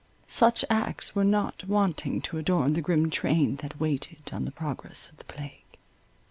Such acts were not wanting to adorn the grim train that waited on the progress of the plague.